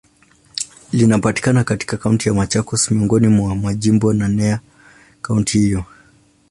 Linapatikana katika Kaunti ya Machakos, miongoni mwa majimbo naneya kaunti hiyo.